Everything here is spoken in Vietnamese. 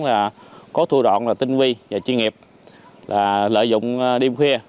là có thua đoạn là tinh vi và chuyên nghiệp là lợi dụng đêm khuya